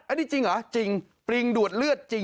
อันนี้จริงเหรอ